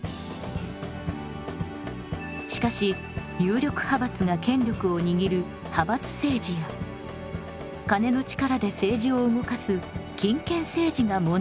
しかし有力派閥が権力を握る派閥政治や金の力で政治を動かす金権政治が問題になります。